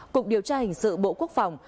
cục điều tra hình sự bộ quốc phòng